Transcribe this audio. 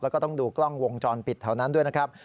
แล้วก็ต้องดูกล้องวงจรปิดแถวนั้นด้วยนะครับ